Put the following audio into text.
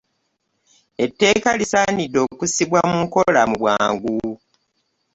Eteeka lisaanidde okusibwa mu nkola mu bwangu.